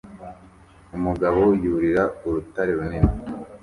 umugabo yurira urutare runini